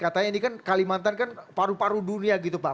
katanya ini kan kalimantan kan paru paru dunia gitu pak